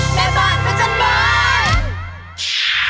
แม่บ้านก็จะบ้าน